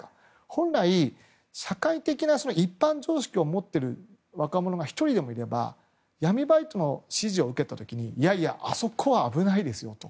本来、社会的な一般常識を持ってる若者が１人でもいれば闇バイトの指示を受けた時にいやいや、あそこは危ないですよと。